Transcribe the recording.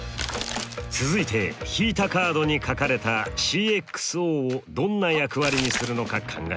続いて引いたカードに書かれたＣｘＯをどんな役割にするのか考えます。